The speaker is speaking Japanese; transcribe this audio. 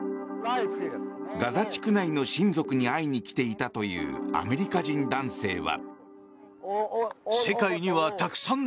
ガザ地区内の親族に会いに来ていたというアメリカ人男性は。